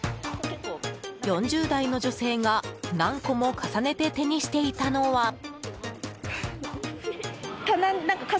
４０代の女性が何個も重ねて手にしていたのは。